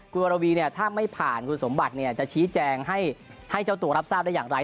คุณวรวีเนี่ยถ้าไม่ผ่านคุณสมบัติจะชี้แจงให้เจ้าตัวรับทราบได้อย่างไร